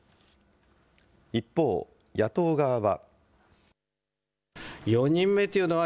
一方、野党側は。